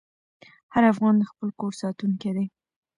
هر افغان د خپل کور ساتونکی دی.